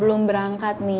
belom perangkat nih